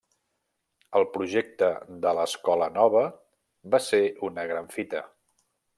El projecte de l'Escola Nova va ser una gran fita.